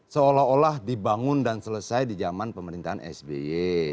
seolah olah dibangun dan selesai di zaman pemerintahan sby